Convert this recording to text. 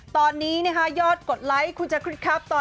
ตอนนี้ยอดกดไลค์คุณจะคิดครับ